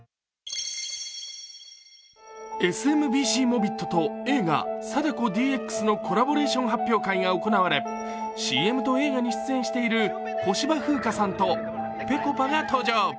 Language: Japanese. ＳＭＢＣモビットと映画「貞子ＤＸ」のコラボレーション発表会が行われＣＭと映画に出演している小芝風花さんとぺこぱが登場。